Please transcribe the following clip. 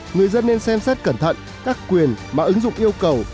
người dân nên xem xét cẩn thận các quyền mà ứng dụng yêu cầu